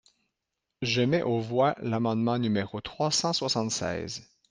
Je mets aux voix l’amendement numéro trois cent soixante-seize.